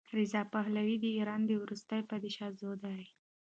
رضا پهلوي د ایران د وروستي پادشاه زوی دی.